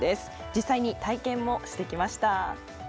実際に体験もしてきました。